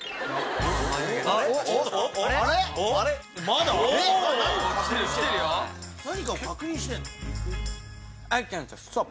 まだ⁉何かを確認してんの？